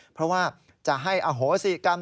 เพราะว่าจะให้อโหสิกรรม